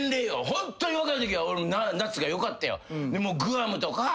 ホンットに若いときは夏がよかったよ。